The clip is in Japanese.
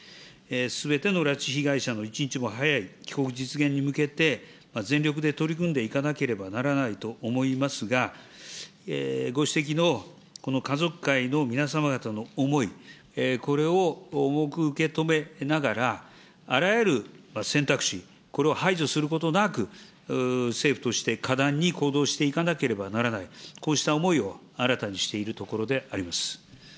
すべての拉致被害者の一日も早い帰国実現に向けて、全力で取り組んでいかなければならないと思いますが、ご指摘のこの家族会の皆様方の思い、これを重く受け止めながら、あらゆる選択肢、これを排除することなく、政府として果断に行動していかなければならない、こうした思いを新たにしているところであります。